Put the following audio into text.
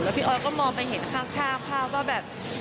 แล้วพี่อ๊อตก็มองไปเห็นข้างว่าแบบ